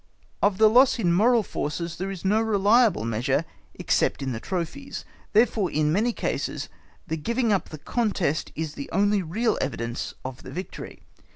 Of the loss in moral forces there is no reliable measure, except in the trophies: therefore, in many cases, the giving up the contest is the only real evidence of the victory.